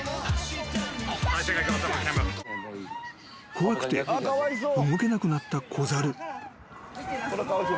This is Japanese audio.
［怖くて動けなくなった子猿］